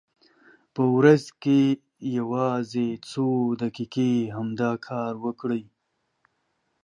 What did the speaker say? په ورځ کې یوازې څو دقیقې همدا کار وکړئ.